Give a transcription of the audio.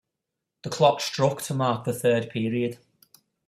The clock struck to mark the third period.